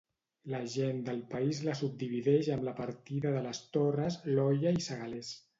La gent del país la subdivideix amb la partida de les Torres, l'Olla i Segalers.